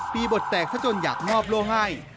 มีบทแตกซะจนอยากมอบโล่ให้